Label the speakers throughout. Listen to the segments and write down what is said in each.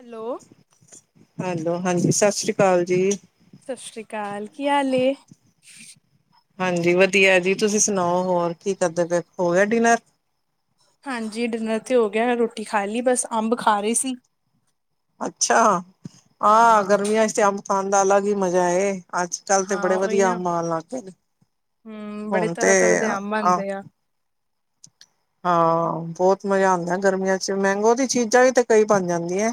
Speaker 1: Hello
Speaker 2: hello, ਹਾਂਜੀ ਸਤਿ ਸ੍ਰੀ ਅਕਾਲ ਜੀ।
Speaker 1: ਸਤਿ ਸ਼੍ਰੀ ਅਕਾਲ, ਕੀ ਹਾਲ ਏ?
Speaker 2: ਹਾਂਜੀ ਵਧੀਆ ਜੀ, ਤੁਸੀ ਸੁਣਾਓ? ਹੋਰ ਕੀ ਕਰਦੇ ਪਏ? ਹੋ ਗਿਆ ਡਿਨਰ?
Speaker 1: ਹਾਂਜੀ ਡਿਨਰ ਤੇ ਹੋ ਗਿਆ ਰੋਟੀ ਖਾ ਲੀ, ਬਸ ਅੰਬ ਖਾ ਰੀ ਸੀ।
Speaker 2: ਅੱਛਾ ਆ
Speaker 1: ਹਾਂ
Speaker 2: ਗਰਮੀਆਂ ਚੱ ਤੇ ਅੰਬ ਖਾਨ ਦਾ ਅਲਗ ਈ ਮਜ਼ਾ ਏ। ਅੱਜ ਕਲ ਤੇ
Speaker 1: ਹਾਂ
Speaker 2: ਬੜੇ
Speaker 1: ਉਹੀ
Speaker 2: ਵਧੀਆ
Speaker 1: ਨਾ
Speaker 2: ਅੰਬ ਆਨ ਲੱਗ ਗਏ ਨੇ,
Speaker 1: ਹਮ ਬੜੇ
Speaker 2: ਹੁਣ ਤੇ
Speaker 1: ਤਰ੍ਹਾਂ ਤਰ੍ਹਾਂ ਦੇ ਅੰਬ
Speaker 2: ਅੰ
Speaker 1: ਆਂਦੇ ਆ
Speaker 2: ਹਾਂ ਬੋਤ ਮਜਾ ਆਂਦਾ ਗਰਮੀਆਂ ਚ, ਮੈਂਗੋ ਦੀ ਚੀਜਾਂ ਵੀ ਤੇ ਕਈ ਬਨ ਜਾਂਦੀਆਂ।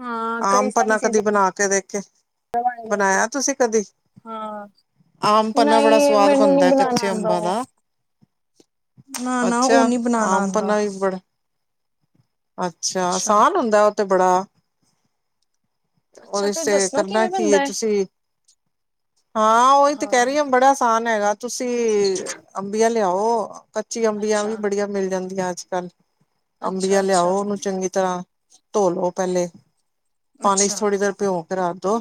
Speaker 1: ਹਾਂ
Speaker 2: ਆਮ
Speaker 1: ਕਈ ਸਾਰੀ
Speaker 2: ਪੰਨਾ ਕਦੀ
Speaker 1: ਚੀਜ਼ਾਂ
Speaker 2: ਬਨਾ ਕੇ ਦੇਖੇ
Speaker 1: ਬਣ ਜਾਂਦੀਆਂ
Speaker 2: ਬਨਾਯਾ ਤੁਸੀ ਕਦੀ
Speaker 1: ਹਾਂ,
Speaker 2: ਆਮ ਪੰਨਾ ਬੜਾ
Speaker 1: ਨਹੀਂ
Speaker 2: ਸਵਾਦ
Speaker 1: ਮੈਨੂੰ ਨੀ
Speaker 2: ਬਨਦਾ
Speaker 1: ਬਣਾਣਾ
Speaker 2: ਕੱਚੇ
Speaker 1: ਆਂਦਾ
Speaker 2: ਅੰਬਾਂ
Speaker 1: ਉਹ
Speaker 2: ਦਾ।
Speaker 1: ਨਾ ਨਾ ੳਹ
Speaker 2: ਅੱਛਾ
Speaker 1: ਨੀ ਬਣਾਨਾ
Speaker 2: ਆਮ
Speaker 1: ਆਂਦਾ।
Speaker 2: ਪੰਨਾ ਵੀ ਬੜਾ ਅੱਛਾ, ਸਾਨ ਹੁੰਦਾ ੳਹ ਤੇ ਬੜਾ।
Speaker 1: ਅੱਛਾ
Speaker 2: ੳਦੇ ਚ
Speaker 1: ਫੇਰ
Speaker 2: ਤੇ
Speaker 1: ਦੱਸਣਾ
Speaker 2: ਕਰਨਾ
Speaker 1: ਕਿਵੇਂ
Speaker 2: ਕੀ ਏ
Speaker 1: ਬਣਦਾ ਹੈ
Speaker 2: ਤੁਸੀ ਹਾਂ ੳਈ ਤੇ ਕਹ ਰਹੀ ਹਾਂ ਬੜਾ ਅਸਾਨ ਹੈਗਾ ਤੁਸੀ ਅੰਬੀਆਂ ਲਿਆਓ, ਕੱਚੀ ਅੰਬੀਆਂ
Speaker 1: ਅੱਛਾ
Speaker 2: ਵੀ ਬੜੀਆਂ ਮਿਲ ਜਾਂਦੀਆਂ ਅੱਜ ਕਲ
Speaker 1: ਅੱਛਾ
Speaker 2: ਅੰਬੀਆਂ
Speaker 1: ਅੱਛਾ
Speaker 2: ਲਿਆਓ, ੳਨੂੰ ਚੰਗੀ ਤਰਾਂ ਧੋ ਲੋ ਪਹਲੇ ਪਾਨੀ ਚ
Speaker 1: ਅੱਛਾ
Speaker 2: ਥੋੜੀ ਦੇਰ ਭਿਂੳ ਕੇ ਰੱਖ ਦੋ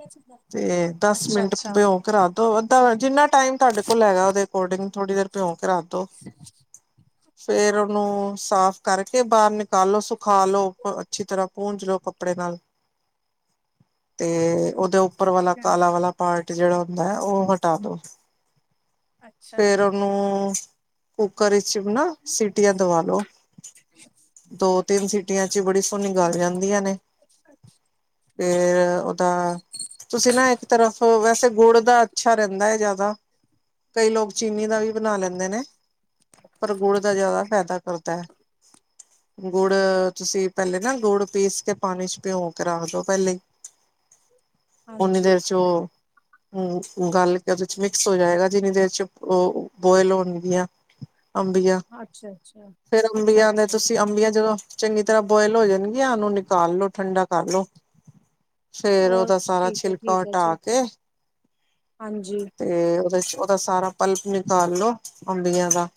Speaker 1: [inaudible]
Speaker 2: ਤੇ ਦਸ
Speaker 1: ਅੱਛਾ
Speaker 2: ਮਿੰਟ
Speaker 1: ਅੱਛਾ
Speaker 2: ਭਿਂੳ ਕੇ ਰੱਖ ਦੋ, ਅਧਾ ਜਿੰਨਾ ਟਾਈਮ ਤੁਹਾਡੇ ਕੋਲ ਹੈਗਾ ੳਦੇ ਅਕੋਰਡਿੰਗ ਥੋੜ੍ਹੀ ਦੇਰ ਭਿਉਂ ਕੇ ਰੱਖ ਦੋ।
Speaker 1: [inaudible]
Speaker 2: ਫੇਰ ੳਨੂੰ ਸਾਫ਼ ਕਰਕੇ ਬਾਹਰ ਨਿਕਾਲੋ, ਸੁਖਾ ਲੋੋ, ਅੱਛੀ ਤਰ੍ਹਾਂ ਪੂੰਜ ਲੋੋ ਕੱਪੜੇ ਨਾਲ ਤੇ ੳਦੇ ਉਪਰ ਵਾਲਾ
Speaker 1: ਹਾਂਜੀ
Speaker 2: ਕਾਲਾ ਵਾਲਾ ਪਾਰਟ ਜੇਹੜਾ ਹੁੰਦਾ ਹੈ ੳਹ ਹਟਾ ਦੋ।
Speaker 1: ਹਾਂਜੀ ਅੱਛਾ
Speaker 2: ਫੇਰ
Speaker 1: ਠੀਕ ਹੈ
Speaker 2: ੳਨੂੰ ਕੁੱਕਰ ਵਿੱਚ ਨਾ ਸੀਟੀਆਂ ਦਵਾ ਲੋ
Speaker 1: [inaudible]
Speaker 2: ਦੋ- ਤਿੰਨ ਸੀਟੀਆਂ ਚ ਹੀ ਬੜੀ ਸੋਨੀ ਗੱਲ ਜਾਂਦੀਆਂ ਨੇ।
Speaker 1: ਅੱਛ [unintelligible]
Speaker 2: ਫੇਰ ਓਦਾ ਤੁਸੀ ਨਾ ਇੱਕ ਤਰਫ ਵੈਸੇ ਗੁੜ ਦਾ ਅੱਛਾ ਰੈਂਦਾ ਏ ਜ਼ਿਆਦਾ। ਕਈ ਲੋਕ ਚੀਨੀ ਦਾ ਵੀ ਬਨਾ ਲੈਂਦੇ ਨੇ ਪਰ ਗੁੜ ਦਾ ਜ਼ਿਆਦਾ ਫੈਦਾ ਕਰਦਾ ਐ। [inaudible] ਗੁੜ ਤੁਸੀ ਪੈਲੇ ਨਾ ਗੁੜ ਪੀਸ ਕੇ ਪਾਣੀ ਚ ਭਿਓਂ ਕੇ ਰੱਖ ਦੋ ਪੈਲੇ ਈ।
Speaker 1: [inaudible]
Speaker 2: ਓਨੀ ਦੇਰ ਚ ਓ ਹੁੰ ਗਲ ਕੇ ਓਦੇ ਚ ਮਿਕਸ ਹੋ ਜਾਏਗਾ ਜਿੰਨੀ ਦੇਰ ਚ ਓ ਬੋਇਲ ਹੋਣਗੀਆਂ। ਅੰਬੀਆ
Speaker 1: ਅੱਛਾ ਅੱਛਾ
Speaker 2: ਫਿਰ
Speaker 1: ਅੱਛਾ
Speaker 2: ਅੰਬੀਆਂ ਦੇ
Speaker 1: ਅੱਛਾ
Speaker 2: ਤੁਸੀ ਅੰਬੀਆਂ ਜਦੋਂ ਚੰਗੀ ਤਰ੍ਹਾਂ ਬੋਇਲ ਹੋ ਜਾਣਗੀਆਂ ਉਨੂੰ ਨਿਕਾਲ ਲੋੋ ਠੰਡਾ ਕਰਲੋ। ਫੇਰ
Speaker 1: ਉਹ
Speaker 2: ਓਦਾ ਸਾਰਾ
Speaker 1: ਠੀਕ ਹੈ
Speaker 2: ਛਿਲਕਾ
Speaker 1: ਠੀਕ ਹੈ ਜੀ
Speaker 2: ਹਟਾ ਕੇ
Speaker 1: ਹਾਂਜੀ
Speaker 2: ਤੇ ਓਦੇ ਚ ਓਦਾ ਸਾਰਾ ਪਲਪ ਨਿਕਾਲ ਲਓ ਅੰਬੀਆਂ ਦਾ।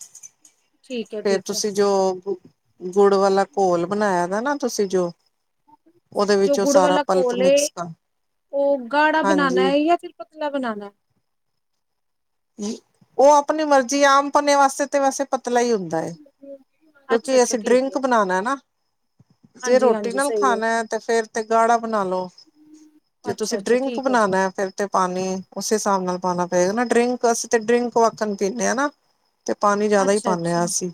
Speaker 1: ਠੀਕ ਹੈ
Speaker 2: ਫੇਰ ਤੁਸੀ ਜੋ ਗ ਗੁੜ ਵਾਲਾ ਘੋਲ ਬਣਾਇਆ ਦਾ ਨਾ ਤੁਸੀ ਜੋ। ਉਹਦੇ
Speaker 1: ਜੋ
Speaker 2: ਵਿੱਚ ਉਹ
Speaker 1: ਗੁੜ
Speaker 2: ਸਾਰਾ
Speaker 1: ਵਾਲਾ
Speaker 2: ਪਲਪ
Speaker 1: ਘੋਲ ਏ
Speaker 2: ਮਿਕਸ ਕਰ
Speaker 1: ਓ ਗਾੜਾ ਬਨਾਨਾ
Speaker 2: ਹਾਂਜੀ
Speaker 1: ਏ ਯਾ ਫਿਰ ਪਤਲ ਤਲਾ ਬਨਾਨਾ ਏ।
Speaker 2: ਓ ਅਪਨੀ ਮਰਜ਼ੀ ਏ ਆਮ ਪੰਨੇ ਵਾਸਤੇ ਤੇ ਵੈਸੇ ਪਤਲਾ ਈ ਹੁੰਦਾ ਏ
Speaker 1: ਅੱਛਾ
Speaker 2: ਕਿਉਂਕਿ
Speaker 1: ਅੱਛਾ
Speaker 2: ਅਸੀ
Speaker 1: ਠੀਕ ਹੈ
Speaker 2: ਡਰਿੰਕ ਬਨਾਣਾ ਏ ਨਾ। ਜੇ
Speaker 1: ਹਾਂਜੀ
Speaker 2: ਰੋਟੀ
Speaker 1: ਹਾਂਜੀ
Speaker 2: ਨਾਲ
Speaker 1: ਸਹੀ ਹੈ
Speaker 2: ਖਾਨਾ ਏ ਤੇ ਫੇਰ ਤੇ ਗਾੜਾ ਬਨਾ ਲੋ। ਜੇ ਤੁਸੀ
Speaker 1: ਅੱਛਾ ਅੱਛਾ
Speaker 2: ਡਰਿੰਕ
Speaker 1: ਠੀਕ ਹੈ ਜੀ
Speaker 2: ਬਨਾਨਾ ਏ ਫੇਰ ਤੇ ਪਾਨੀ ਉਸ ਹਿਸਾਬ ਨਾਲ ਪਾਨਾ ਪਏਗਾ ਨਾ ਡਰਿੰਕ ਅਸੀਂ ਤੇ ਡਰਿੰਕ ਵਾਕਣ ਪੀਨੇ ਆ ਨਾ। ਤੇ ਪਾਨੀ ਜਿਆਦਾ ਈ
Speaker 1: ਅੱਛਾ
Speaker 2: ਪਾਨੇ ਆ
Speaker 1: ਅੱਛਾ
Speaker 2: ਅਸੀਂ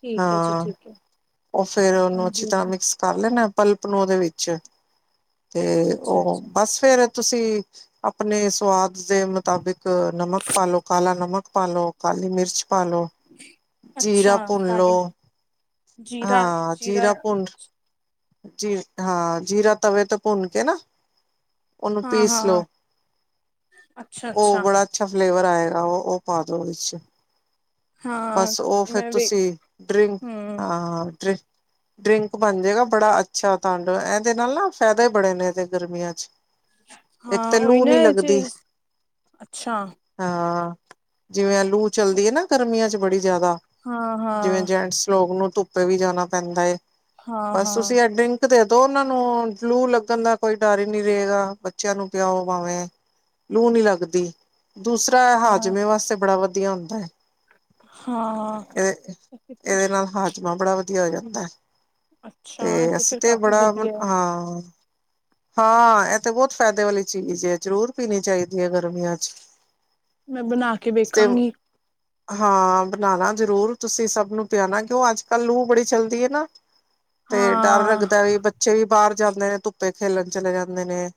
Speaker 1: ਠੀਕ ਹੈ ਜੀ
Speaker 2: ਹਾਂ
Speaker 1: ਠੀਕ ਹੈ
Speaker 2: ਔਰ ਫੇਰ ਉਨੂੰ
Speaker 1: ਹਾਂਜੀ
Speaker 2: ਅੱਛੀ ਤਰਾਂ
Speaker 1: ਹਾਂਜੀ
Speaker 2: ਮਿਕਸ ਕਰ ਲੈਨਾ ਪਲਪ ਨੂੰ ਓਦੇ ਵਿੱਚ ਤੇ
Speaker 1: ਅੱਛਾ
Speaker 2: ਓ
Speaker 1: ਅੱਛਾ
Speaker 2: ਬਸ। ਫੇਰ ਤੁਸੀ ਆਪਨੇ ਸਵਾਦ ਦੇ ਮੁਤਾਬਿਕ ਤੇ ਨਮਕ ਪਾ ਲੋ ਕਾਲਾ ਨਮਕ ਪਾ ਲੋ, ਕਾਲੀ ਮਿਰਚ ਪਾ ਲੋ
Speaker 1: ਅੱਛਾ
Speaker 2: ਜੀਰਾ ਭੁੰਨ ਲੋ
Speaker 1: ਕਾਲੀ
Speaker 2: ਹਾਂ ਜੀਰਾ ਭੁੰਨ ਜੀ ਹਾਂ ਜੀਰਾ ਤਵੇ ਤੇ ਭੁੰਨ ਕੇ ਨਾ ਉਨੂੰ
Speaker 1: ਹਾਂ
Speaker 2: ਪੀਸ
Speaker 1: ਹਾਂ
Speaker 2: ਲੋੋ ਓ ਬੜਾ ਅੱਛਾ ਫਲੇਵਰ ਆਏਗਾ ਓ ਓ ਪਾ ਦੋ ਓਦੇ ਚ।
Speaker 1: ਹਾਂ
Speaker 2: ਬਸ ਓ ਫੇਰ
Speaker 1: ਮੈਂ ਵੀ
Speaker 2: ਤੁਸੀ ਡਰਿੰਕ
Speaker 1: ਹਮ
Speaker 2: ਹਾਂ ਡਰਿੰ ਡਰਿੰਕ ਬਣ ਜੇਗਾ। ਬੜਾ ਅੱਛਾ [unintelligible] ਤਾਡਵ ਏਦੇ ਨਾਲ ਨਾ ਫੈਦੇ ਬੜੇ ਨੇ ਏਦੇ ਗਰਮੀਆਂ ਚ। ਇੱਕ
Speaker 1: ਹਾਂ
Speaker 2: ਤੇ
Speaker 1: ਉਹੀ
Speaker 2: ਲੂ
Speaker 1: ਨਾ
Speaker 2: ਨੀ
Speaker 1: ਇਹ
Speaker 2: ਲੱਗਦੀ।
Speaker 1: ਚੀਜ਼ ਅੱਛਾ
Speaker 2: ਹਾਂ ਜਿਂਵੇ ਆ ਲੂ ਚਲਦੀ ਐ ਨਾ ਗਰਮੀਆਂ ਚ ਬੜੀ ਜ਼ਿਆਦਾ।
Speaker 1: ਹਾਂ
Speaker 2: ਜਿਂਵੇ
Speaker 1: ਹਾਂ
Speaker 2: ਜੈਂਟਸ ਲੋਗ ਨੂੰ ਧੁੱਪੇ ਵੀ ਜਾਣਾ ਪੈਂਦਾ ਏ
Speaker 1: ਹਾਂ
Speaker 2: ਬਸ
Speaker 1: ਹਾਂ
Speaker 2: ਤੁਸੀ ਐ ਡਰਿੰਕ ਕ ਦੇਦੋ ਓਨਾਂ ਨੂੰ ਲੂ ਲੱਗਣ ਦਾ ਕੋਈ ਡਰ ਈ ਨੀ ਰਏਗਾ ਬੱਚਿਆਂ ਨੂੰ ਪਿਆਓ ਭਾਂਵੇ ਲੂ ਨੀ ਲੱਗਦੀ ਦੂਸਰਾ ਐ
Speaker 1: ਹਾਂ
Speaker 2: ਹਾਜ਼ਮੇ ਵਾਸਤੇ ਬੜਾ ਵਧੀਆ ਹੁੰਦਾ ਐ।
Speaker 1: ਹਾਂ
Speaker 2: ਏ ਏਦੇ ਨਾਲ ਹਾਜ਼ਮਾ ਬੜਾ ਵਧੀਆ ਹੋ ਜਾਂਦਾ ਐ। ਤੇ
Speaker 1: ਅੱਛਾ, ਇਹ
Speaker 2: ਅਸੀ
Speaker 1: ਫੇਰ
Speaker 2: ਤੇ
Speaker 1: ਕਾਫ਼ੀ
Speaker 2: ਬੜਾ ਮ
Speaker 1: ਵਧੀਆ ਐ,
Speaker 2: ਹਾਂ ਹਾਂ ਐ ਤੇ ਬੌਤ ਫੈਦੇ ਵਾਲੀ ਚੀਜ਼ ਏ ਜ਼ਰੂਰ ਪੀਣੀ ਚਾਈਦੀ ਏ ਗਰਮੀਆਂ ਚ।
Speaker 1: ਮੈ ਬਨਾ ਕੇ
Speaker 2: ਤੇ
Speaker 1: ਵੇਖਾਂਗੀ।
Speaker 2: ਹਾਂ ਬਨਾਣਾ ਜਰੂਰ ਤੁਸੀ ਸਭ ਨੂੰ ਪਿਆਣਾ ਕਿਉਂ ਅੱਜ ਕੱਲ ਲੂ ਬੜੀ ਚੱਲਦੀ ਏ ਨਾ ਤੇ ਡਰ
Speaker 1: ਹਾਂ,
Speaker 2: ਲੱਗਦਾ ਵੀ ਬੱਚੇ ਵੀ ਬਾਹਰ ਜਾਂਦੇ ਨੇ ਧੁੱਪੇ ਖੇਲਣ ਚਲੇ ਜਾਂਦੇ ਨੇ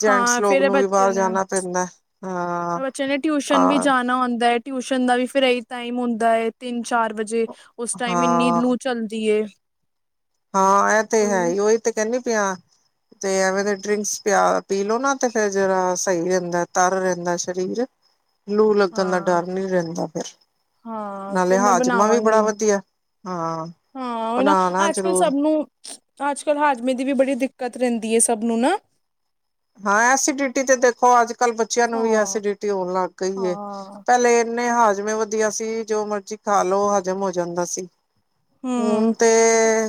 Speaker 2: ਜੈਂਟਸ
Speaker 1: ਹਾਂ ਫੇਰ
Speaker 2: ਲੋਕ
Speaker 1: ਇਹ
Speaker 2: ਨੂੰ ਵੀ
Speaker 1: ਬੱਚੇ
Speaker 2: ਬਾਹਰ
Speaker 1: ਨੇ
Speaker 2: ਜਾਣਾ ਪੈਂਦਾ
Speaker 1: ਪ,
Speaker 2: ਹਾਂ
Speaker 1: ਬੱਚੇ ਨੇ ਟਿਊਸ਼ਨ ਵੀ
Speaker 2: ਹਾਂ
Speaker 1: ਜਾਣਾ ਹੁੰਦਾ ਏ ਟਿਊਸ਼ਨ ਦਾ ਵੀ ਫੇਰ ਏਹੀ ਟਾਈਮ ਹੁੰਦਾ ਏ, ਤਿੰਨ- ਚਾਰ ਵਜੇ ਉਸ ਟਾਈਮ, ਇੰਨੀ
Speaker 2: ਹਾਂ
Speaker 1: ਲੂ ਚੱਲਦੀ ਏ।
Speaker 2: ਹਾਂ ਐ ਤੇ ਹੈ ਹੀ, ਉਹੀ ਤੇ ਕਹਿੰਨੀ ਪਿਂਆ, ਤੇ ਐਵੇਂ ਦੇ ਡਰਿੰਕਸ ਪਿਆ ਪੀ ਲਓ ਨਾ ਤੇ ਫੇਰ ਜ਼ਰਾ ਸਹੀ ਰਹਿੰਦਾ, ਤਰ ਰਹਿੰਦਾ ਸਰੀਰ ਲੂ ਲੱਗਣ ਦਾ
Speaker 1: ਹਾਂ।
Speaker 2: ਡਰ ਨਹੀਂ ਰਹਿੰਦਾ ਫਿਰ
Speaker 1: ਹਾਂ,
Speaker 2: ਨਾਲੇ
Speaker 1: ਫੇਰ ਮੈਂ
Speaker 2: ਹਾਜਮਾ ਵੀ ਬੜਾ
Speaker 1: ਬਣਾਵਾਂਗੀ,
Speaker 2: ਵਧੀਆ, ਹਾਂ ਬਨਾਨਾ
Speaker 1: ਕੱਲ ਸਭ ਨੂੰ, ਆਜ-ਕਲ ਹਾਜ਼ਮੇ ਦੀ ਵੀ ਬੜੀ ਦਿੱਕਤ ਰਹਿੰਦੀ ਹੈ ਸਭ ਨੂੰ ਨਾ‌
Speaker 2: ਹਾਂ ਐਸੀਡਿਟੀ ਤੇ ਦੇਖੋ ਅੱਜ ਕੱਲ ਬੱਚਿਆਂ ਨੂੰ ਵੀ
Speaker 1: ਹਾਂ,
Speaker 2: ਐਸੀਡਿਟੀ ਹੋਣ ਲੱਗ ਗਈ ਏ
Speaker 1: ਹਾਂ।
Speaker 2: ਪਹਿਲੇ ਇੰਨੇ ਹਾਜ਼ਮੇ ਵ ਬੀ ਅਸੀ ਜੋ ਮਰਜੀ਼ ਖਾ ਲੋ, ਹਜ਼ਮ ਹੋ ਜਾਂਦਾ ਸੀ, ਹੁਣ
Speaker 1: ਹੂੰ।
Speaker 2: ਤੇ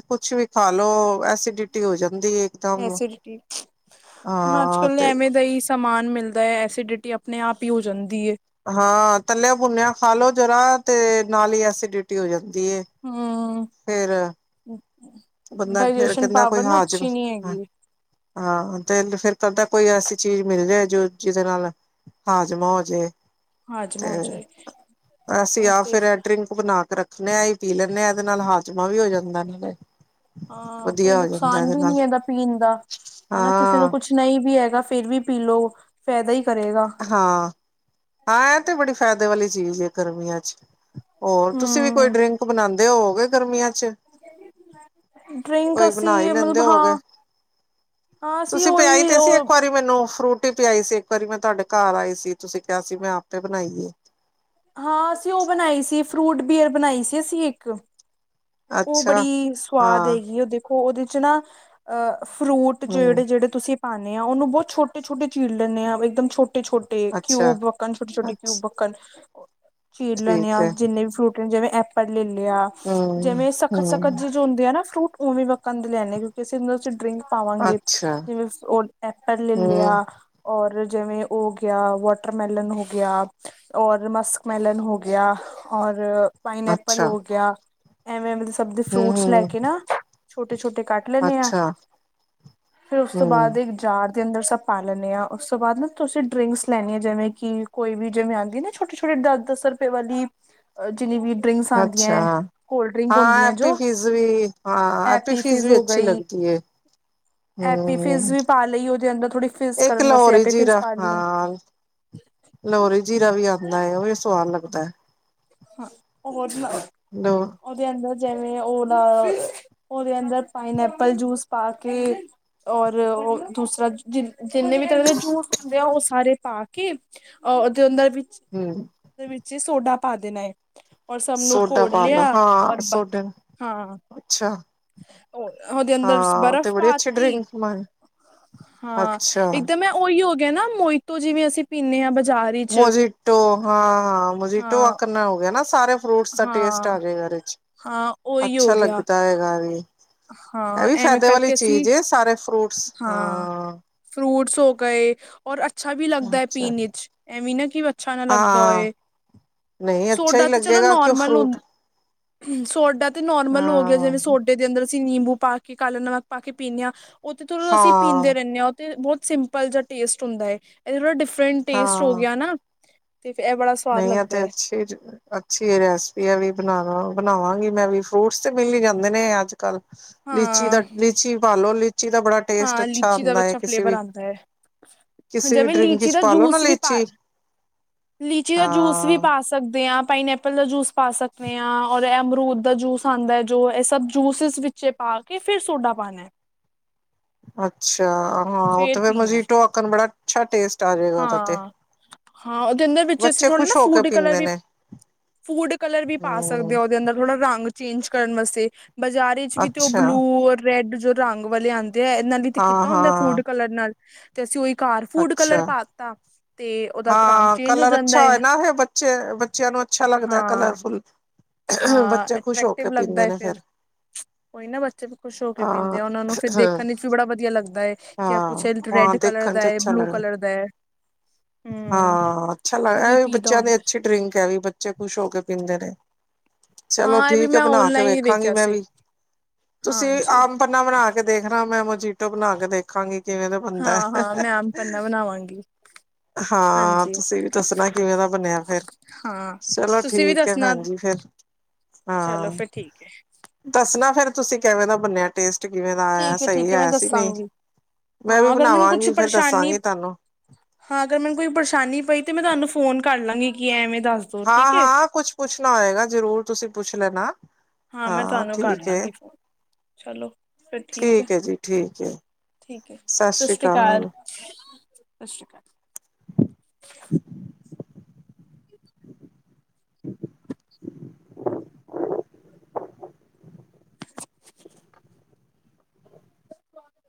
Speaker 2: ਕੁਛ ਵੀ ਖਾ ਲੋੋ, ਐਸੀਡਿਟੀ ਹੋ ਜਾਂਦੀ ਏ ਇਕਦਮ
Speaker 1: ਐਸੀਡਿਟੀ, ਹੁਣ ਅੱਜ
Speaker 2: ਹਾਂ
Speaker 1: ਕਲ
Speaker 2: ਤੇ
Speaker 1: ਐਵੇਂ ਦਾ ਹੀ ਸ ਸਮਾਨ ਮਿਲਦਾ ਹੈ, ਐਸੀਡਿਟੀ ਆਪਣੇ ਆਪ ਹੀ ਹੋ ਜਾਂਦੀ ਏ
Speaker 2: ਹਾਂ ਤੱਲਿਆ-ਬੁੰਨਿਆ ਖਾ ਲੋੋ ਜ਼ਰਾ ਤੇ, ਨਾਲ ਹੀ ਐਸੀਡਿਟੀ ਹੋ ਜਾਂਦੀ ਏ
Speaker 1: ਹਮ
Speaker 2: ਫੇਰ
Speaker 1: ਅ ਅ
Speaker 2: ਬੰਦਾ ਫੇਰ
Speaker 1: ਡਾਇਜੇਸ਼ਨ
Speaker 2: ਕਹਿੰਦਾ ਕੋਈ
Speaker 1: ਪਾਵਰ ਨਾ
Speaker 2: ਹਾਜ਼ਮ
Speaker 1: ਅੱਛੀ ਨੀ
Speaker 2: ਹਾਂ
Speaker 1: ਹੈਗੀ
Speaker 2: ਹਾਂ ਤੇ ਨ ਫਿਰ ਕਰਦਾ, ਕੋਈ ਐਸੀ ਚੀਜ਼ ਮਿਲ ਜਾਏ ਜੋ ਜਿਹਦੇ ਨਾਲ ਹਾਜਮਾ ਹੋਜੇ, ਤੇ
Speaker 1: ਹਾਜਮਾ ਹੋ ਜਾਏ
Speaker 2: ਅਸੀਂ
Speaker 1: ਇਹ
Speaker 2: ਆਪ
Speaker 1: ਤੇ
Speaker 2: ਸਵੇਰੇ ਐ ਡਰਿੰਕ ਭੁਨਾ ਕੇ ਰੱਖਨੇ ਹਾਂ, ਇਹੀ ਪੀ ਲੈਂਦੇ ਹਾਂ। ਇਹਦੇ ਨਾਲ ਹਾਜਮਾ ਵੀ ਹੋ ਜਾਂਦਾ
Speaker 1: ਹਾਂ ਕੋਈ
Speaker 2: ਵਧੀਆ ਹੋ ਜਾਂਦਾ
Speaker 1: ਨੁਕਸਾਨ
Speaker 2: ਇਹਦੇ
Speaker 1: ਵੀ
Speaker 2: ਨਾਲ
Speaker 1: ਨੀ ਇਹਦਾ ਪੀਣ ਦਾ, ਹਨਾ ਕਿਸੇ ਨੂੰ
Speaker 2: ਹਾਂ
Speaker 1: ਕੁੱਛ ਨਹੀਂ ਵੀ ਹੈਗਾ ਫਿਰ ਵੀ ਪੀ ਲਉ, ਫਾਇਦਾ ਹੀ ਕਰੇਗਾ।
Speaker 2: ਹਾਂ, ਹਾਂ ਇਹ ਤੇ ਬੜੀ ਫਾਇਦੇ ਵਾਲੀ ਚੀਜ਼ ਹੈ ਗਰਮੀਆਂ ਚੱ ਹੋਰ ਤੁਸੀਂ ਵੀ ਕੋਈ
Speaker 1: ਹਮ
Speaker 2: ਡਰਿੰਕ ਬਣਾਉਂਦੇ ਹੋਗੇ, ਗਰਮੀਆਂ ਚੱ
Speaker 1: [inaudible] ਡਰਿੰਕ
Speaker 2: ਬਣਾ
Speaker 1: ਅਸੀਂ
Speaker 2: ਹੀ ਲੈਂਦੇ
Speaker 1: [unintelligible]
Speaker 2: ਹੋਗੇ
Speaker 1: ਹਾਂ, ਹਾਂ ਅਸੀਂ
Speaker 2: ਪਿਆਈ
Speaker 1: ਉਹੀ
Speaker 2: ਤੇ ਸੀ
Speaker 1: ਉਹ
Speaker 2: ਇੱਕ ਵਾਰੀ ਤੁਸੀਂ ਮੈਨੂੰ ਫਰੂਟੀ ਪਿਆਈ ਸੀ, ਇੱਕ ਵਾਰੀ ਮੈਂ ਤੁਹਾਡੇ ਘਰ ਆਈ ਸੀ ਤੁਸੀਂ ਕਿਹਾ ਸੀ ਮੈਂ ਆਪੇ ਬਣਾਈਏ
Speaker 1: ਹਾਂ ਅਸੀਂ ਉਹ ਬਣਾਈ ਸੀ, ਫਰੂਟ ਬੀਅਰ ਬਣਾਈ ਸੀ ਅਸੀਂ ਇੱਕ ਉਹ
Speaker 2: ਅੱਛਾ
Speaker 1: ਬੜੀ ਸਵਾਦ
Speaker 2: ਹਾਂ
Speaker 1: ਹੈਗੀ ਐ, ਦੇਖੋ ਉਹਦੇ ਚੱ ਨਾ ਅਹ, ਫਰੂਟ
Speaker 2: ਹਮ
Speaker 1: ਜਿਹੜੇ-ਜਿਹੜੇ ਤੁਸੀਂ ਪਾਨੇ ਆ, ਉਹਨੂੰ ਬਹੁਤ ਛੋਟੇ ਛੋਟੇ ਚੀਰ ਲੈਂਦੇ ਆਂ ਇੱਕਦਮ ਛੋਟੇ ਛੋਟੇ-ਛੋਟੇ
Speaker 2: ਅੱਛਾ
Speaker 1: ਕਿਊਬ ਵੱਕਣ ਛੋਟੇ -ਛੋਟੇ
Speaker 2: ਅੱਛ
Speaker 1: ਕਿਊਬ ਵੱਕਣ, ਚੀਰ ਲੈਂਨੇ
Speaker 2: ਠੀਕ
Speaker 1: ਆਂ,
Speaker 2: ਹੈ
Speaker 1: ਜਿੰਨੇ ਵੀ ਫਰੂਟ ਜਿਵੇਂ ਐਪਲ ਲੈ ਲਿਆ,
Speaker 2: ਹਮ
Speaker 1: ਜਿਵੇਂ
Speaker 2: ਹਮ
Speaker 1: ਸਖ਼ਤ-ਸਖ਼ਤ ਜਿ ਜੋ ਹੁੰਦੇ ਆ ਨਾ ਫਰੂਟ, ਉਵੇਂ ਵੱਕਣ ਦੇ ਲੈਂਆਨੇ ਕਿਉਂਕਿ ਅਸੀਂ ਉਂਹਦੇ ਚੱ ਡਰਿੰਕ ਪਾ ਲਾਂਗੇ,
Speaker 2: ਅੱਛਾ
Speaker 1: ਜਿਵੇਂ ੳਸ ਉਹ ਐਪਲ ਲੈ
Speaker 2: ਹਮ
Speaker 1: ਲਿਆ ਔਰ ਜਿਵੇਂ ਉਹ ਹੋ ਗਿਆ, ਵਾਟਰਮੈਲਨ ਹੋ ਗਿਆ ਔਰ ਮਸਕਮੈਲਨ ਹੋ ਗਿਆ, ਔਰ ਪਾਈਨਐਪਲ
Speaker 2: ਅੱਛਾ
Speaker 1: ਹੋ ਗਿਆ। ਐਵੇਂ ਸਭ ਦੇ
Speaker 2: ਹਮ
Speaker 1: ਫਰੂਟਸ ਲੈ
Speaker 2: ਹਮ
Speaker 1: ਕੇ ਨਾ, ਛੋਟੇ-ਛੋਟੇ ਕੱਟ ਕੱਟ ਲੈਣੇ ਹਾਂ।
Speaker 2: ਅੱਛਾ
Speaker 1: ਫਿਰ ਉਸ ਤੋਂ ਬਾਅਦ
Speaker 2: ਹਮ
Speaker 1: ਇੱਕ ਜਾਰ ਦੇ ਅੰਦਰ ਸਭ ਪਾ ਲੈਂਦੇ ਹਾਂ, ਉਸ ਤੋਂ ਬਾਅਦ ਨਾ ਤੁਸੀਂ ਡਰਿੰਕਸ ਲੈਨੀ ਐ, ਜਿਵੇਂ ਕਿ ਕੋਈ ਵੀ ਜਿਵੇਂ ਆਉਂਦੀ ਨਾ ਛੋਟੀ-ਛੋਟੀ, ਦਸ-ਦਸ ਰੁਪਏ ਵਾਲੀ ਜਿੰਨੀ ਵੀ ਡਰਿੰਕਸ ਆਂਦੀਆਂ
Speaker 2: ਅੱਛਾ
Speaker 1: ਹੈ, ਕੋਲਡ ਡ੍ਰਿੰਕ
Speaker 2: ਹਾਂ
Speaker 1: ਹੁੰਦੀਆਂ
Speaker 2: ਐਪੀ
Speaker 1: ਜੋ।
Speaker 2: ਫਿਜ਼ ਵੀ ਹਾਂ
Speaker 1: ਐ
Speaker 2: ਐਪੀ
Speaker 1: ਪੀ ਫਿਜ਼
Speaker 2: ਵੀ
Speaker 1: ਹੋ
Speaker 2: ਅੱਛੀ
Speaker 1: ਗਈ
Speaker 2: ਲੱਗਦੀ ਹੈ
Speaker 1: ਐਪੀ ਫਿਜ਼
Speaker 2: ਹਮ
Speaker 1: ਵੀ ਪਾ ਲਈ ਉਹਦੇ ਅੰਦਰ ਥੋੜੀ ਫਿਜ਼
Speaker 2: ਇੱਕ
Speaker 1: ਕਰਨ ਵਾਸਤੇ ਐਪੀ ਫਿਜ਼ ਪਾ ਲੀ ਐ।
Speaker 2: ਲਹੋਰੀ ਜ਼ੀਰਾ ਵੀ ਆਂਦਾ ਏ। ਉਹ ਵੀ ਸਵਾਦ ਲੱਗਦੇ।
Speaker 1: ਹਾਂ ਹੋ ਹੋਰ [unintelligible]
Speaker 2: [unintelligible]
Speaker 1: ਉਹਦੇ ਅੰਦਰ ਜਿਵੇਂ ਓਲਾ। ਉਹਦੇ ਅੰਦਰ ਪਾਈਨ ਐਪਲ ਜੂਸ ਪਾ ਕੇ ਔਰ ਓ ਦੂਸਰਾ ਜਿੰ ਜਿੰਨੇ ਵੀ ਤਰ੍ਹਾਂ ਦੇ ਜੂਸ ਹੁੰਦੇ ਆ। ਉਹ ਸਾਰੇ ਪਾ ਕੇ ਅ ਉਹਦੇ ਅੰਦਰ ਵਿੱਚ
Speaker 2: ਹਮ।
Speaker 1: ਉਹਦੇ ਵਿੱਚ ਹੀ ਸੋਡਾ ਪਾ ਦੇਣਾ ਏ। ਔਰ ਸਭ ਨੂੰ
Speaker 2: ਸੋਡਾ
Speaker 1: ਘੋਲ
Speaker 2: ਪਾ ਲੋ
Speaker 1: ਲਿਆ।
Speaker 2: ਹਾਂ
Speaker 1: ਔਰ [unintelligible]
Speaker 2: ਸੋਡੇ
Speaker 1: ਹਾਂ।
Speaker 2: ਅੱਛਾ
Speaker 1: ਉਹਦੇ ਅੰਦਰ
Speaker 2: ਹਾਂ ਤੇ
Speaker 1: ਬਰਫ਼
Speaker 2: ਬੜੀ ਅੱਛੀ
Speaker 1: ਪਾਤੀ।
Speaker 2: ਡਰਿੰਕ ਬਣ
Speaker 1: ਹਾਂ
Speaker 2: ਅੱਛਾ
Speaker 1: ਇਕਦਮ ਹੈ ਉਹੀ ਹੋ ਗਿਆ ਨਾ ਮੋਜ਼ੀਟੋ। ਜਿਵੇਂ ਅਸੀਂ ਪੀਂਨੇ ਹਾਂ ਬਾਜ਼ਾਰ ਵਿਚ
Speaker 2: ਮੋਜੀਟੋ ਹਾਂ, ਮੋਜੀਟੋ
Speaker 1: ਹਾਂ
Speaker 2: ਆਕਰਣਾ ਹੋ ਗਿਆ ਨਾ ਸਾਰੇ ਫਰੂਟਸ ਦਾ ਟੇਸਟ
Speaker 1: ਹਾਂ
Speaker 2: ਆ ਜੇ ਗਾ ਆ ਏਹਦੇ ਚ।
Speaker 1: ਹਾਂ ਓਈ ਹੋ ਗਿਆ।
Speaker 2: ਹਾਂਜੀ, ਏਹ
Speaker 1: ਹਾਂ
Speaker 2: ਵੀ
Speaker 1: ਐਵੇਂ
Speaker 2: ਫੈਦੇ ਵਾਲੀ
Speaker 1: ਕਰਕੇ ਅਸੀਂ
Speaker 2: ਚੀਜ਼ ਐ ਸਾਰੇ ਫਰੂਟਸ
Speaker 1: ਹਾਂ, ਫਰੂਟਸ ਹੋ ਗਏ ਔਰ ਅੱਛਾ ਵੀ ਲੱਗਦਾ ਐ
Speaker 2: ਅੱਛਾ
Speaker 1: ਪੀਣੇ ਚ। ਐਮੀ ਨਾ ਕਿ ਅੱਛਾ ਨਾ ਲੱਗਦਾ
Speaker 2: ਹਾਂ
Speaker 1: ਹੋਏ,
Speaker 2: ਨਹੀਂ ਅੱਛਾ ਹੀ
Speaker 1: ਸੋਡਾ ਤੇ ਚਲੋ
Speaker 2: ਲੱਗੇਗਾ ਕਿ ਉਹ
Speaker 1: ਨੋਰਮਲ ਹੁੰ
Speaker 2: ਫਰੂਟ
Speaker 1: ਸੋਡਾ ਤੇ ਨੋਰਮਲ ਹੋ ਗਿਆ।
Speaker 2: ਹਾਂ
Speaker 1: ਜਿਵੇਂ ਸੋਡਾ ਡੇ ਦੇ ਅੰਦਰ ਅਸੀਂ ਨਿੰਬੂ ਪਾ ਕੇ, ਕਾਲਾ ਨਮਕ ਪਾ ਕੇ ਪੀਂਨੇ ਆਂ ਓ ਤੇ ਚਲੋ ਅਸੀਂ ਪੀਂਦੇ
Speaker 2: ਹਾਂ
Speaker 1: ਰੈਨੇ ਆਂ ਤੇ ਬੋਤ ਸਿੰਪਲ ਜਾ ਟੇਸਟ ਹੁੰਦਾ ਐ ਏ। ਇਹ ਥੋੜਾ ਡਿਫਰੈਂਟ ਟੇਸਟ ਹੋ
Speaker 2: ਹਾਂ
Speaker 1: ਗਿਆ ਨਾ। ਤੇ ਫੇ ਏਹ ਬੜਾ ਸਵਾਦ
Speaker 2: ਨਹੀਂ
Speaker 1: ਲੱਗਦਾ ਐ।
Speaker 2: [unintelligible] ਅੱਛੀ ਰੈਸਪੀ ਆ ਵੀ ਬਣਾਵਾਂ ਬਣਾਵਾਂਗੀ ਮੈਂ ਵੀ। ਫਰੂਟਸ ਤੇ ਮਿਲ ਈ ਜਾਂਦੇ ਨੇ ਅੱਜ ਕੱਲ। ਲੀਚੀ ਦਾ
Speaker 1: ਹਾਂ
Speaker 2: ਲੀਚੀ ਪਾ ਲੋ। ਲੀਚੀ ਦਾ ਬੜਾ ਟੇਸਟ
Speaker 1: ਹਾਂ
Speaker 2: ਅੱਛਾ
Speaker 1: ਲੀਚੀ ਦਾ ਵੀ
Speaker 2: ਆਂਦਾ ਹੈ
Speaker 1: ਅੱਛਾ
Speaker 2: ਕਿਸੇ
Speaker 1: ਫਲੇਵਰ
Speaker 2: ਵੀ
Speaker 1: ਆਂਦਾ ਐ, ਹਾਂ
Speaker 2: ਕਿਸੇ ਵੀ
Speaker 1: ਜਿਵੇਂ
Speaker 2: ਡਰਿੰਕ
Speaker 1: ਲੀਚੀ
Speaker 2: ਵਿੱਚ
Speaker 1: ਦਾ
Speaker 2: ਪਾਲੋ ਨਾ
Speaker 1: ਜੂਸ ਵੀ ਪਾ
Speaker 2: ਲੀਚੀ
Speaker 1: ਲੀਚੀ ਦਾ ਜੂਸ ਵੀ
Speaker 2: ਹਾਂ
Speaker 1: ਪਾ ਸਕਦੇ ਆਂ, ਪਾਈਨ ਐਪਲ ਦਾ ਜੂਸ ਪਾ ਸਕਨੇ ਆਂ ਔਰ ਐਮਰੂਦ ਦਾ ਜੂਸ ਆਂਦੈ ਜੋ ਐ ਸਭ ਜੂਸਿਸ ਵਿੱਚ ਪਾ ਕੇ, ਫਿਰ ਸੋਡਾ ਪਾਣੇ।
Speaker 2: ਅੱਛਾ, ਹਾਂ ਉਹ ਤੇ ਫੇਰ ਮਜੀਟੋ ਆਕਣ ਬੜਾ ਅੱਛਾ ਟੇਸਟ ਆ ਜੇਗਾ ਓਦਾ ਤੇ,
Speaker 1: ਹਾਂ ਹਾਂ ਉਹਦੇ ਅੰਦਰ ਵਿੱਚ ਅਸੀਂ
Speaker 2: ਬੱਚੇ
Speaker 1: ਥੋੜਾ ਨਾ
Speaker 2: ਖ਼ੁਸ਼ ਹੋ ਕੇ
Speaker 1: ਫੂਡ ਕਲਰ
Speaker 2: ਪੀਂਦੇ
Speaker 1: ਵੀ
Speaker 2: ਨੇ।
Speaker 1: ਫੂਡ ਕਲਰ ਵੀ ਪਾ
Speaker 2: ਹਮ
Speaker 1: ਸਕਦੇ ਓ ਓਦੇ ਅੰਦਰ, ਥੋੜਾ ਰੰਗ ਚੇਂਜ ਕਰਨ ਵਾਸਤੇ। ਬਾਜ਼ਾਰੀ ਚ ਵੀ ਤੇ ਓ
Speaker 2: ਅੱਛਾ
Speaker 1: ਬਲੂ ਔਰ ਰੈਡ ਜੋ ਰੰਗ ਵਾਲੇ ਆਂਦ ਤੇ ਐਨਾ ਨੇ ਤੇ
Speaker 2: ਹਾਂ
Speaker 1: ਕੀਤਾ ਹੁੰਦੈ ਫੂਡ
Speaker 2: ਹਾਂ
Speaker 1: ਕਲਰ ਨਾਲ ਤੇ ਅਸੀਂ ਉਹੀ ਘਰ ਫੂਡ ਕਲਰ
Speaker 2: ਅੱਛਾ
Speaker 1: ਪਾਤਾ। ਤੇ ਉਹਦਾ ਰੰਗ
Speaker 2: ਹਾਂ,
Speaker 1: ਚੇਂਜ ਹੋ
Speaker 2: ਕਲਰ
Speaker 1: ਜਾਂਦਾ
Speaker 2: ਅੱਛਾ
Speaker 1: ਹੈ
Speaker 2: ਹੋਏ ਨਾ ਫੇਰ ਬੱਚੇ ਬੱਚਿਆਂ ਨੂੰ ਅੱਛਾ ਲੱਗਦੈ
Speaker 1: ਹਾਂ
Speaker 2: ਕਲਰਫੁੱਲ।
Speaker 1: ਹਾਂ
Speaker 2: ਬੱਚੇ ਖੁਸ਼ ਹੋ ਕੇ ਪੀਂਦੇ ਨੇ ਫੇਰ।
Speaker 1: ਓਈ ਨਾ ਬੱਚੇ ਖੁਸ਼ ਹੋ ਕੇ ਪੀਂਦੇ ਆ, ਓਨਾ ਨੂੰ ਫਿਰ ਦੇਖਣ ਇੱਚ ਵੀ ਬੜਾ ਵਧੀਆ ਲੱਗਦਾ ਏ ਕਿ ਕੁੱਛ
Speaker 2: ਹਾਂ ਹਾਂ
Speaker 1: ਰੈਡ ਕਲਰ
Speaker 2: ਦੇਖਣ
Speaker 1: ਦਾ
Speaker 2: ਚ
Speaker 1: ਏ,
Speaker 2: ਅੱਛਾ
Speaker 1: ਬਲੂ
Speaker 2: ਲੱਗਦਾ
Speaker 1: ਕਲਰ ਦੈ।
Speaker 2: ਹਾਂ ਅੱਛਾ ਲੱਗ
Speaker 1: ਉਹ
Speaker 2: ਐ ਵੀ
Speaker 1: ਪੀ ਦਾ
Speaker 2: ਬੱਚਿਆਂ ਦੀ
Speaker 1: ਹੁੰਦਾ
Speaker 2: ਅੱਛੀ ਡਰਿੰਕ ਐ ਵੀ, ਬੱਚੇ ਖੁਸ਼ ਹੋ ਕੇ ਪੀਂਦੇ ਨੇ। ਚਲੋ
Speaker 1: ਹਾਂ ਇਹ ਵੀ
Speaker 2: ਠੀਕ ਐ,
Speaker 1: ਮੈਂ
Speaker 2: ਬਣਾ ਕੇ
Speaker 1: ਓਨਲਾਈਨ ਹੀ
Speaker 2: ਵੇਖਾਂਗੀ
Speaker 1: ਵੇਖਿਆ
Speaker 2: ਮੈਂ
Speaker 1: ਸੀ
Speaker 2: ਵੀ। ਤੁਸੀਂ
Speaker 1: ਹਾਂਜੀ
Speaker 2: ਆਮ ਪੰਨਾ ਬਣਾ ਕੇ ਦੇਖਣਾ, ਮੈਂ ਮੋਜੀਟੋ ਬਣਾ ਕੇ ਦੇਖਾਂਗੀ, ਕਿਵੇਂ ਦਾ ਬਣਦੈ।
Speaker 1: ਣਾਵਾਂਗੀ।
Speaker 2: ਹਾਂ, ਤੁਸੀਂ ਵੀ ਦੱਸਣਾ ਕਿਵੇਂ ਦਾ ਬਣਿਆ ਫੇਰ?
Speaker 1: ਹਾਂ
Speaker 2: ਚਲੋ
Speaker 1: ਤੁਸੀਂ ਵੀ
Speaker 2: ਠੀਕ ਹੈ
Speaker 1: ਦੱਸਣਾ
Speaker 2: ਭੈਣ ਜੀ ਫੇਰ।
Speaker 1: ਚਲੋ ਫੇਰ ਠੀਕ ਐ।
Speaker 2: ਦੱਸਣਾ ਫੇਰ ਤੁਸੀਂ, ਕੈਵੇਂ ਦਾ ਬੰਨਿਆ ਟੇਸਟ? ਕਿਵੇਂ ਦਾ ਆਇਆ,
Speaker 1: ਠੀਕ
Speaker 2: ਸਹੀ
Speaker 1: ਠੀਕ ਮੈਂ
Speaker 2: ਹੈ ਸੀ ਨਈ?
Speaker 1: ਦੱਸਾਂਗੀ
Speaker 2: ਮੈਂ ਵੀ
Speaker 1: ਹਾਂ ਅਗਰ ਮੈਨੂੰ ਕੁਛ
Speaker 2: ਬਣਾਵਾਂਗੀ ਫੇਰ
Speaker 1: ਪਰੇਸ਼ਾਨੀ
Speaker 2: ਦੱਸਾਂਗੀ ਤਾਨੂੰ।
Speaker 1: ਹਾਂ ਅਗਰ ਮੈਨ ਕੋਈ ਪਰਸ਼ਾਨੀ ਪਈ ਤੇ ਮੈਂ ਤਾਨੂੰ ਫੋਨ ਕਰ ਲਾਂਗੀ ਕਿ ਐਂਵੇਂ ਦਾ ਸ
Speaker 2: ਹਾਂ ਹਾਂ। ਕੁਛ ਪੁੱਛਨਾ ਹੋਏਗਾ ਜਰੂਰ ਤੁਸੀ ਪੁੱਛ ਲੈਣਾ।
Speaker 1: ਹਾਂ, ਮੈਂ ਤਾਨੂੰ ਕਰ
Speaker 2: ਠੀਕ ਹੈ
Speaker 1: ਲਾਂਗੀ ਫੋਨ। ਚਲੋ ਫੇਰ ਠੀਕ ਐ,
Speaker 2: ਹੈ ਜੀ ਠੀਕ ਹੈ
Speaker 1: ਠੀਕ ਐ।
Speaker 2: ਸਤਿ ਸ਼੍ਰੀ
Speaker 1: ਸਸ੍ਰੀ ਕਾਲ।
Speaker 2: ਅਕਾਲ
Speaker 1: ਸਸ਼੍ਰੀ ਕਾਲ।
Speaker 2: [unintelligible] [unintelligible]
Speaker 1: [unintelligible]